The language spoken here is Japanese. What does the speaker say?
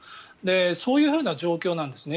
そういうふうな状況なんですね。